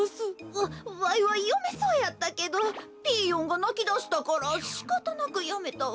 わわいはよめそうやったけどピーヨンがなきだしたからしかたなくやめたわ。